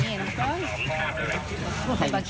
ไม่ได้บอกค่ะ